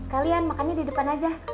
sekalian makannya di depan aja